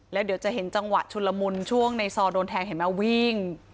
แล้วเดี๋ยวจะเห็นจังหวะชุนละมุนช่วงในซอโดนแทงเห็นไหมวิ่ง